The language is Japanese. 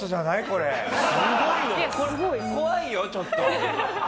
これ怖いよちょっと。